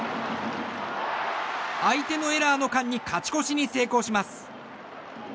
相手のエラーの間に勝ち越しに成功します。